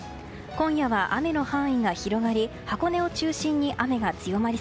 今夜は雨の範囲が広がり